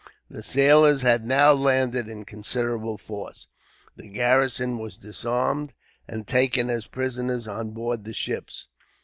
The sailors had now landed in considerable force. The garrison were disarmed, and taken as prisoners on board the ships.